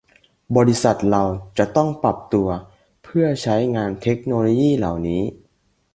บริษัทเราจะต้องปรับตัวเพื่อใช้งานเทคโนโลยีเหล่านี้